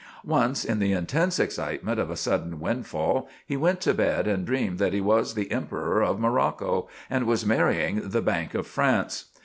Once, in the intense excitement of a sudden windfall, he went to bed and dreamed that he was the Emperor of Morocco and was marrying the Bank of France.